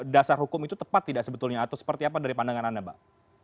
dasar hukum itu tepat tidak sebetulnya atau seperti apa dari pandangan anda mbak